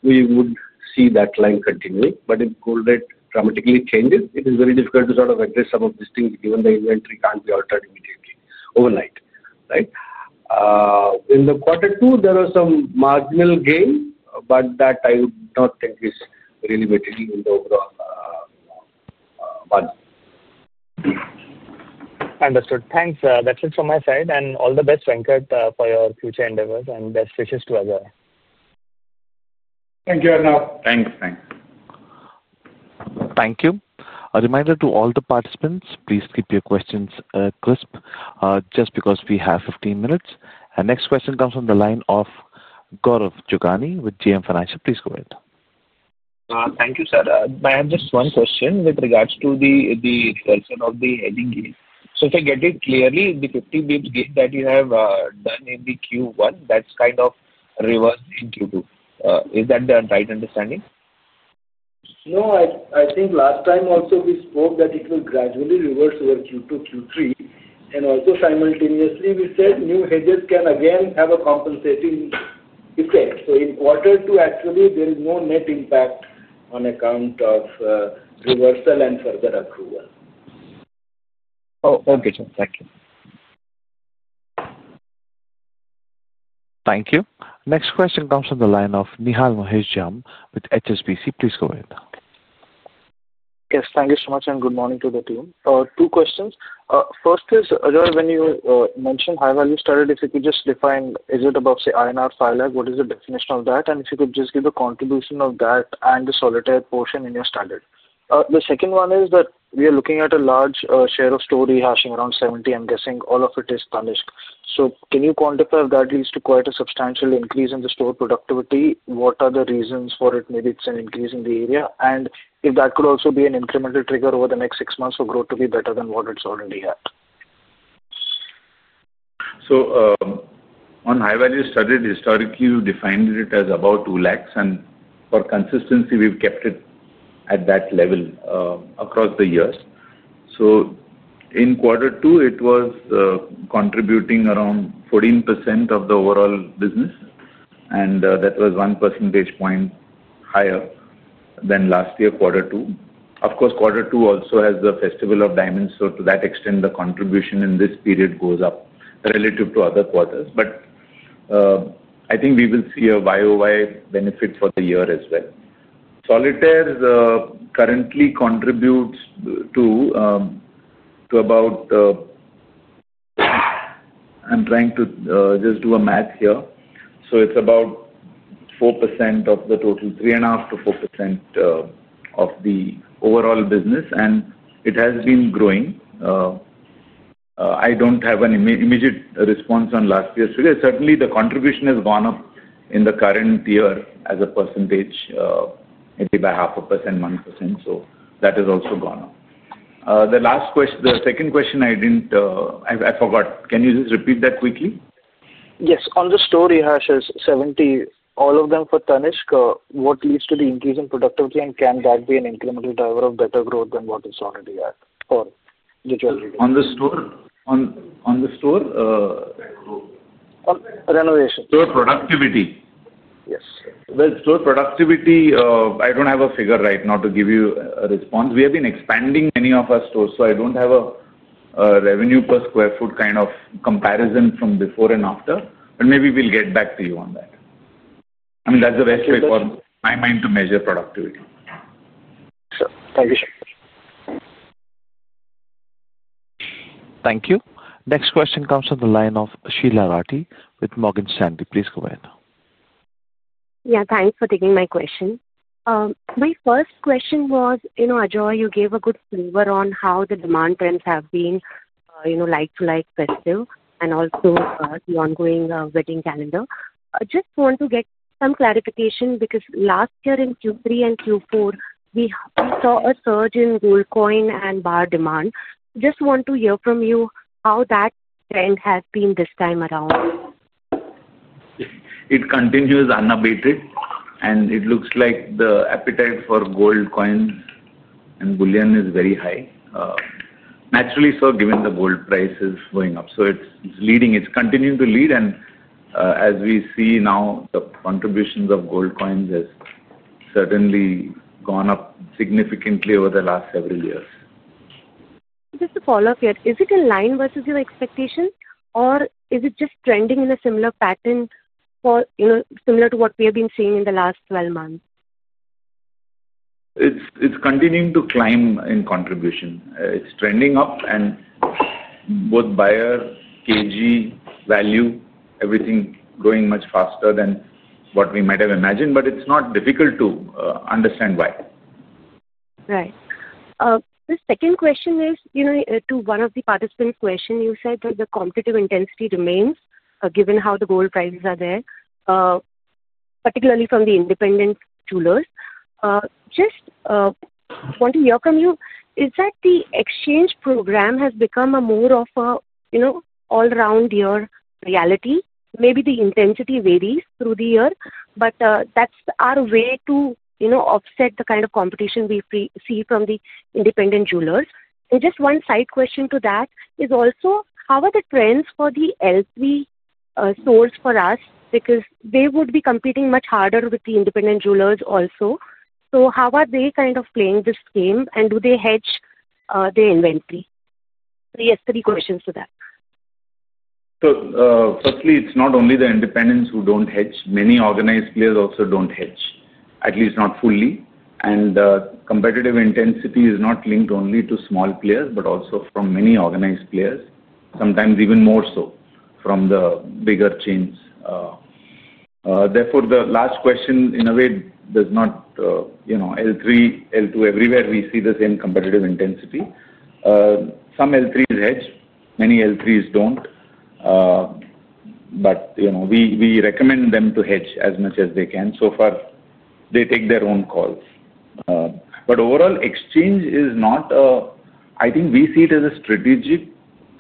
we would see that line continue. If gold rate dramatically changes, it is very difficult to sort of address some of these things given the inventory can't be altered immediately overnight, right? In the quarter two, there was some marginal gain, but that I would not think is really material in the overall margin. Understood. Thanks. That's it from my side. All the best, Venkat, for your future endeavors, and best wishes to Ajoy. Thank you, Arnab. Thanks. Thanks. Thank you. A reminder to all the participants, please keep your questions crisp just because we have 15 minutes. The next question comes from the line of Gaurav Jogani with GM Financial. Please go ahead. Thank you, sir. I have just one question with regards to the return of the hedging gain. If I get it clearly, the 50 basis points gain that you have done in Q1, that's kind of reversed in Q2. Is that the right understanding? No. I think last time also we spoke that it will gradually reverse over Q2, Q3. Also, simultaneously, we said new hedges can again have a compensating effect. In quarter two, actually, there is no net impact on account of reversal and further approval. Oh, okay, sir. Thank you. Thank you. Next question comes from the line of Nihal Mahesh Jham with HSBC. Please go ahead. Yes. Thank you so much, and good morning to the team. Two questions. First is, Ajoy, when you mentioned high-value studded, if you could just define, is it about, say, INR 5 lakh? What is the definition of that? And if you could just give the contribution of that and the solitaire portion in your studded. The second one is that we are looking at a large share of store rehashing, around 70, I'm guessing. All of it is Tanishq. Can you quantify if that leads to quite a substantial increase in the store productivity? What are the reasons for it? Maybe it's an increase in the area. If that could also be an incremental trigger over the next six months for growth to be better than what it's already had. On high-value studded, historically, we defined it as about 2 lakh. For consistency, we've kept it at that level across the years. In quarter two, it was contributing around 14% of the overall business. That was 1 percentage point higher than last year, quarter two. Quarter two also has the festival of diamonds, so to that extent, the contribution in this period goes up relative to other quarters. I think we will see a YoY benefit for the year as well. Solitaire currently contributes to about—I'm trying to just do a math here—so it's about 4% of the total, 3.5%-4% of the overall business. It has been growing. I don't have an immediate response on last year's figure. Certainly, the contribution has gone up in the current year as a percentage, maybe by 0.5%, 1%. That has also gone up. The second question I didn't—I forgot. Can you just repeat that quickly? Yes. On the store rehashes, 70, all of them for Tanishq, what leads to the increase in productivity, and can that be an incremental driver of better growth than what it's already at for the jewelry? On the store? Renovation. Store productivity. Yes. Store productivity, I don't have a figure right now to give you a response. We have been expanding many of our stores, so I don't have a revenue per sq ft kind of comparison from before and after. Maybe we'll get back to you on that. I mean, that's the best way for my mind to measure productivity. Sure. Thank you, sir. Thank you. Next question comes from the line of Sheela Rathi with Morgan Stanley. Please go ahead. Yeah. Thanks for taking my question. My first question was, Ajoy, you gave a good flavor on how the demand trends have been, like-to-like festive, and also the ongoing wedding calendar. I just want to get some clarification because last year in Q3 and Q4, we saw a surge in gold coin and bar demand. Just want to hear from you how that trend has been this time around. It continues, unabated. It looks like the appetite for gold coins and bullion is very high. Naturally, sir, given the gold price is going up. It is leading. It is continuing to lead. As we see now, the contributions of gold coins have certainly gone up significantly over the last several years. Just a follow-up here. Is it in line versus your expectations, or is it just trending in a similar pattern? Similar to what we have been seeing in the last 12 months? It's continuing to climb in contribution. It's trending up. Both buyer, KG, value, everything going much faster than what we might have imagined. It's not difficult to understand why. Right. The second question is to one of the participants' questions. You said that the competitive intensity remains, given how the gold prices are there. Particularly from the independent jewelers. Just want to hear from you. Is that the exchange program has become more of an all-round year reality? Maybe the intensity varies through the year, but that's our way to offset the kind of competition we see from the independent jewelers. Just one side question to that is also, how are the trends for the L3 stores for us? Because they would be competing much harder with the independent jewelers also. How are they kind of playing this game, and do they hedge their inventory? Yes, three questions to that. Firstly, it's not only the independents who don't hedge. Many organized players also don't hedge, at least not fully. Competitive intensity is not linked only to small players, but also from many organized players, sometimes even more so from the bigger chains. Therefore, the last question, in a way, does not— L3, L2, everywhere we see the same competitive intensity. Some L3s hedge. Many L3s don't. We recommend them to hedge as much as they can. So far, they take their own calls. Overall, exchange is not— I think we see it as a strategic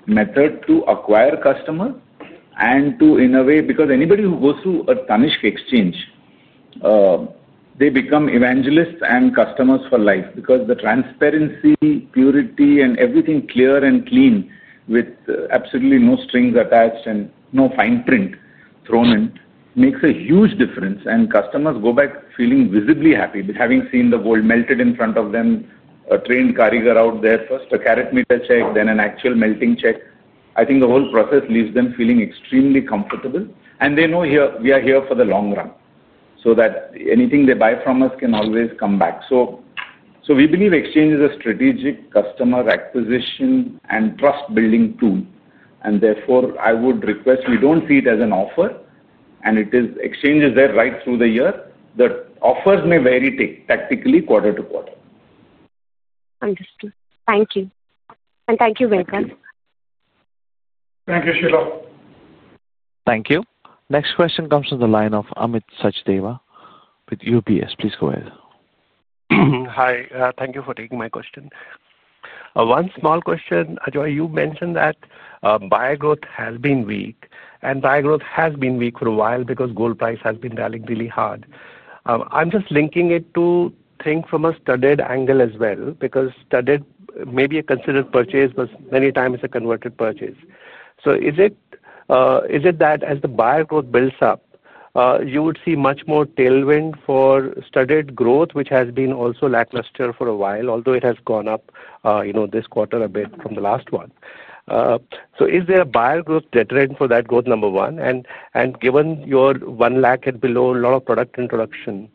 method to acquire customers and to, in a way— because anybody who goes through a Tanishq exchange, they become evangelists and customers for life because the transparency, purity, and everything clear and clean with absolutely no strings attached and no fine print thrown in makes a huge difference. Customers go back feeling visibly happy having seen the gold melted in front of them, a trained carriager out there, first a carat meter check, then an actual melting check. I think the whole process leaves them feeling extremely comfortable. They know we are here for the long run so that anything they buy from us can always come back. We believe exchange is a strategic customer acquisition and trust-building tool. Therefore, I would request we don't see it as an offer. Exchange is there right through the year. The offers may vary tactically quarter to quarter. Understood. Thank you. Thank you, Venkat. Thank you, Sheela. Thank you. Next question comes from the line of Amit Sachdeva with UBS, please go ahead. Hi. Thank you for taking my question. One small question, Ajoy. You mentioned that buyer growth has been weak. Buyer growth has been weak for a while because gold price has been rallying really hard. I'm just linking it to think from a studded angle as well because studded may be a considered purchase, but many times it's a converted purchase. Is it that as the buyer growth builds up, you would see much more tailwind for studded growth, which has been also lackluster for a while, although it has gone up this quarter a bit from the last one? Is there a buyer growth detriment for that growth, number one? Given your 1 lakh and below, a lot of product introduction,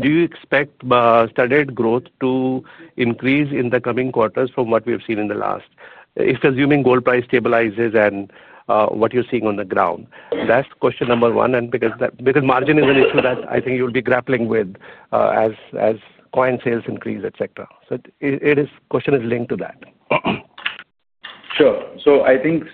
do you expect studded growth to increase in the coming quarters from what we've seen in the last, if assuming gold price stabilizes and what you're seeing on the ground? That's question number one. Because margin is an issue that I think you'll be grappling with as coin sales increase, etc. The question is linked to that. Sure. I think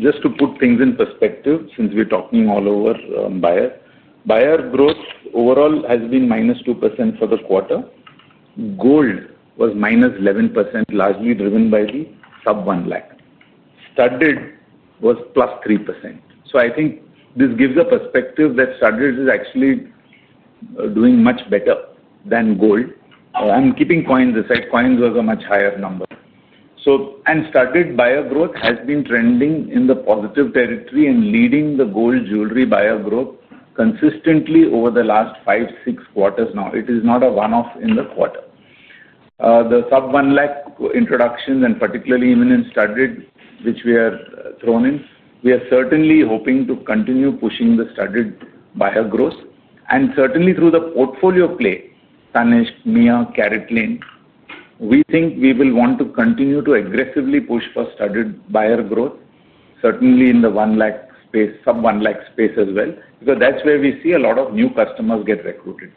just to put things in perspective, since we're talking all over buyer, buyer growth overall has been -2% for the quarter. Gold was -11%, largely driven by the sub 1 lakh. Studded was +3%. I think this gives a perspective that studded is actually doing much better than gold. I'm keeping coins aside. Coins was a much higher number. Studded buyer growth has been trending in the positive territory and leading the gold jewellery buyer growth consistently over the last five, six quarters now. It is not a one-off in the quarter. The sub 1 lakh introductions, and particularly even in studded, which we have thrown in, we are certainly hoping to continue pushing the studded buyer growth. Certainly through the portfolio play, Tanishq, Mia, CaratLane, we think we will want to continue to aggressively push for studded buyer growth, certainly in the 1 lakh space, sub INR 1lakh space as well, because that's where we see a lot of new customers get recruited.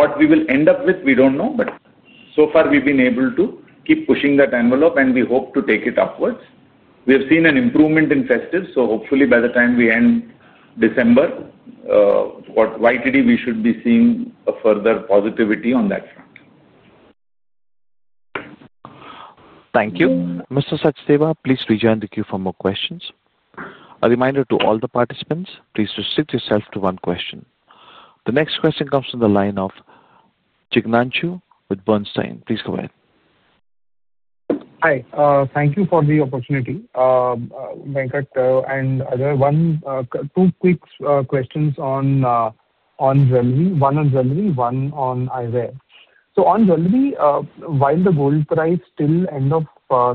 What we will end up with, we don't know. So far, we've been able to keep pushing that envelope, and we hope to take it upwards. We have seen an improvement in festives. Hopefully, by the time we end December, what yYTD we should be seeing a further positivity on that front. Thank you. Mr. Sachdeva, please rejoin the queue for more questions. A reminder to all the participants, please restrict yourself to one question. The next question comes from the line of Chignanchu with Bernstein. Please go ahead. Hi. Thank you for the opportunity. Venkat and Ajoy, two quick questions on jewelry. One on jewelry, one on eyeware. On jewelry, while the gold price till end of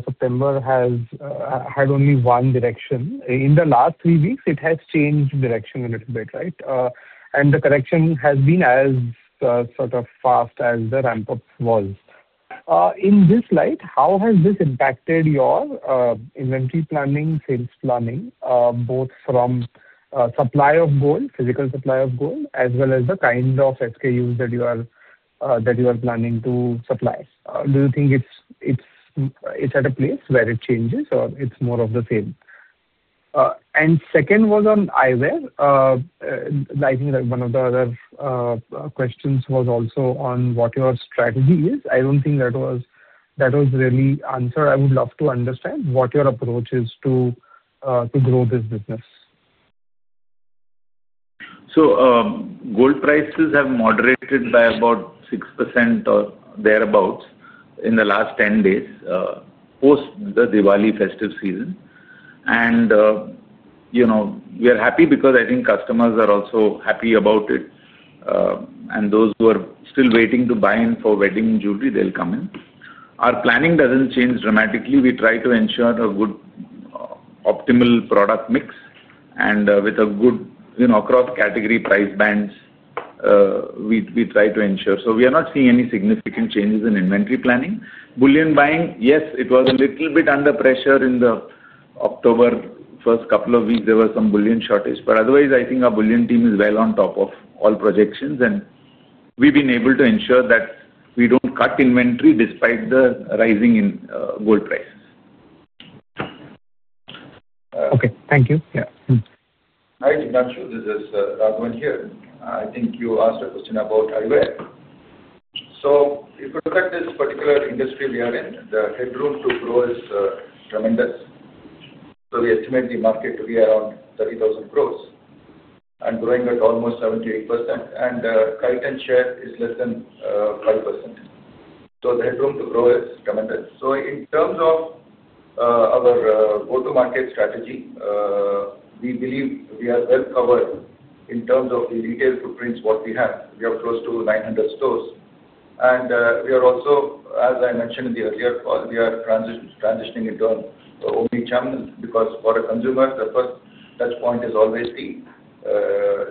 September had only one direction, in the last three weeks, it has changed direction a little bit, right? The correction has been as sort of fast as the ramp-up was. In this light, how has this impacted your inventory planning, sales planning, both from supply of gold, physical supply of gold, as well as the kind of SKUs that you are planning to supply? Do you think it is at a place where it changes, or it is more of the same? The second was on eyeware. I think that one of the other questions was also on what your strategy is. I do not think that was really answered. I would love to understand what your approach is to grow this business. Gold prices have moderated by about 6% or thereabouts in the last 10 days post the Diwali festive season. We are happy because I think customers are also happy about it. Those who are still waiting to buy in for wedding jewelry, they'll come in. Our planning doesn't change dramatically. We try to ensure a good, optimal product mix and with a good across-category price bands. We try to ensure. We are not seeing any significant changes in inventory planning. Bullion buying, yes, it was a little bit under pressure in the October first couple of weeks. There were some bullion shortages. Otherwise, I think our bullion team is well on top of all projections. We've been able to ensure that we don't cut inventory despite the rising gold prices. Okay. Thank you. Yeah. Hi, Chignanchu. This is Raghavan here. I think you asked a question about eyeware. If we look at this particular industry we are in, the headroom to grow is tremendous. We estimate the market to be around 30,000 crore and growing at almost 7%-8%. The current share is less than 5%. The headroom to grow is tremendous. In terms of our go-to-market strategy, we believe we are well covered in terms of the retail footprints we have. We have close to 900 stores. As I mentioned in the earlier call, we are transitioning into omnichannel because for a consumer, the first touchpoint is always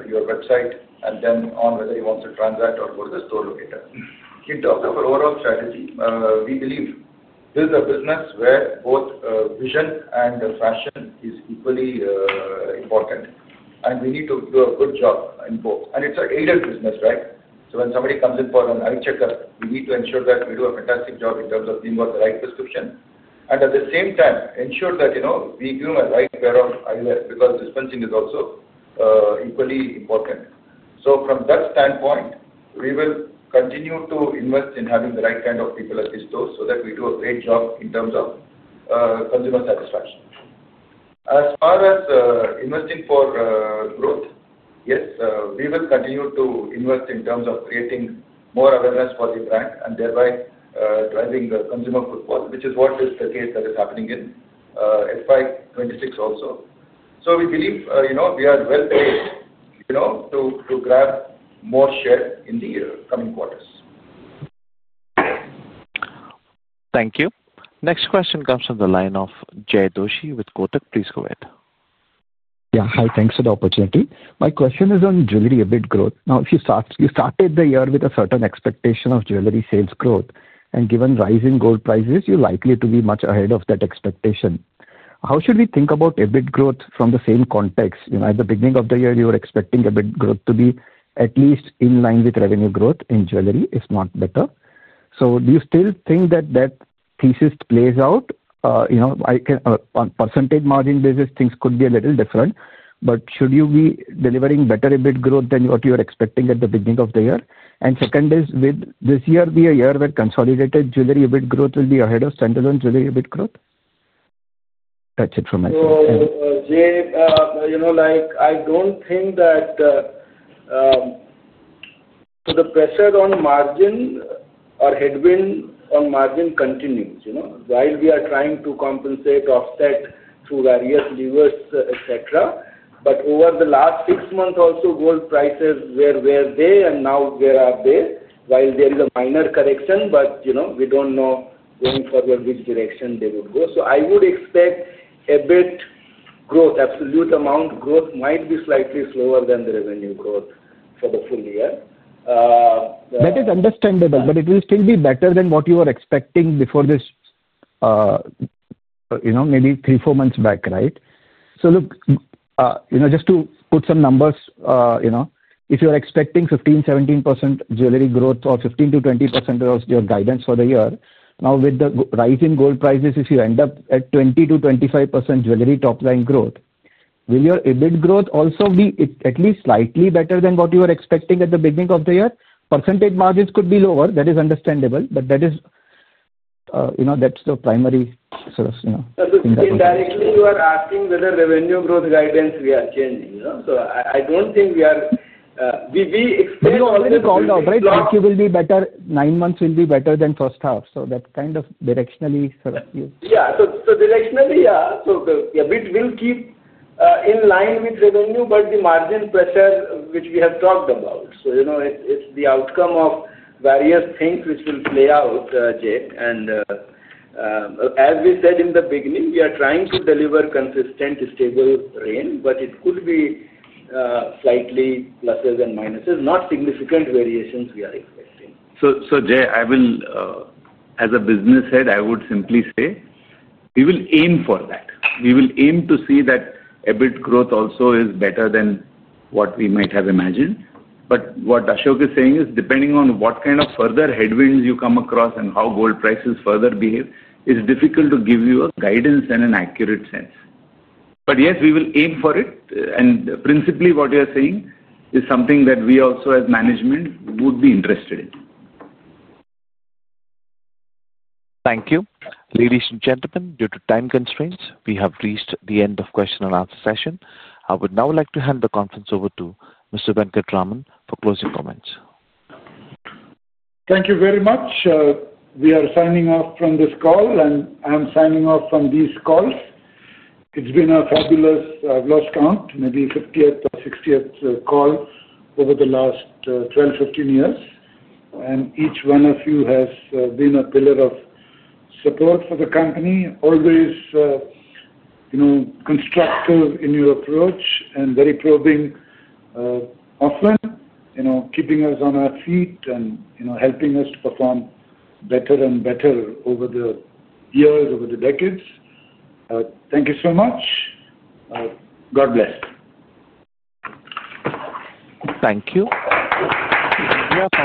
your website and then on whether he wants to transact or go to the store locator. In terms of our overall strategy, we believe this is a business where both vision and fashion are equally important. We need to do a good job in both. It is an aided business, right? When somebody comes in for an eye checkup, we need to ensure that we do a fantastic job in terms of giving the right prescription. At the same time, ensure that we give them the right pair of eyewear because dispensing is also equally important. From that standpoint, we will continue to invest in having the right kind of people at these stores so that we do a great job in terms of consumer satisfaction. As far as investing for growth, yes, we will continue to invest in terms of creating more awareness for the brand and thereby driving the consumer footfall, which is what is happening in FY 2026 also. We believe we are well placed to grab more share in the coming quarters. Thank you. Next question comes from the line of Jay Doshi with Kotak. Please go ahead. Yeah. Hi. Thanks for the opportunity. My question is on jewelry EBIT growth. Now, you started the year with a certain expectation of jewelry sales growth. And given rising gold prices, you're likely to be much ahead of that expectation. How should we think about EBIT growth from the same context? At the beginning of the year, you were expecting EBIT growth to be at least in line with revenue growth in jewelry, if not better. So do you still think that that thesis plays out? On percentage margin basis, things could be a little different. But should you be delivering better EBIT growth than what you were expecting at the beginning of the year? And second is, this year be a year where consolidated jewelry EBIT growth will be ahead of standalone jewelry EBIT growth? That's it from my side. Jay, I don't think that. The pressure on margin or headwind on margin continues while we are trying to compensate, offset through various levers, etc. Over the last six months, also gold prices were where they are now, where are they? While there is a minor correction, we don't know going forward which direction they would go. I would expect EBIT growth, absolute amount growth might be slightly slower than the revenue growth for the full year. That is understandable. It will still be better than what you were expecting before this, maybe three, four months back, right? Look. Just to put some numbers. If you're expecting 15%-17% jewelry growth or 15%-20% of your guidance for the year, now with the rising gold prices, if you end up at 20%-25% jewelry top-line growth, will your EBIT growth also be at least slightly better than what you were expecting at the beginning of the year? Percentage margins could be lower. That is understandable. That is the primary sort of thing that. Indirectly, you are asking whether revenue growth guidance we are changing. I do not think we are. We expect. We already called out, right? EBIT will be better. Nine months will be better than first half. So that kind of directionally sort of you. Yeah. Directionally, yeah. EBIT will keep in line with revenue, but the margin pressure, which we have talked about, it's the outcome of various things which will play out, Jay. As we said in the beginning, we are trying to deliver consistent, stable rain, but it could be slightly pluses and minuses, not significant variations we are expecting. As a business head, I would simply say we will aim for that. We will aim to see that EBIT growth also is better than what we might have imagined. What Ashok is saying is, depending on what kind of further headwinds you come across and how gold prices further behave, it's difficult to give you a guidance and an accurate sense. Yes, we will aim for it. Principally, what you are saying is something that we also as management would be interested in. Thank you. Ladies and gentlemen, due to time constraints, we have reached the end of the question and answer session. I would now like to hand the conference over to Mr. Venkataraman for closing comments. Thank you very much. We are signing off from this call, and I'm signing off from these calls. It's been a fabulous—I have lost count—maybe 50th or 60th call over the last 12, 15 years. Each one of you has been a pillar of support for the company, always constructive in your approach, and very probing offline, keeping us on our feet and helping us to perform better and better over the years, over the decades. Thank you so much. God bless. Thank you. We are.